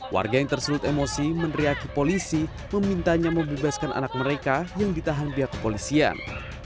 warga yang terselut emosi meneriaki polisi memintanya membebaskan anak mereka yang ditahan pihak kepolisian